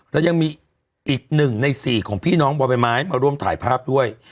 แล้วยังมีอีกหนึ่งใน๔ของพี่น้องบ่อใบไม้มาร่วมถ่ายภาพด้วย